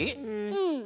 うん！